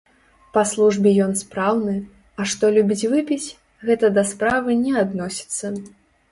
Па службе ён спраўны, а што любіць выпіць, гэта да справы не адносіцца.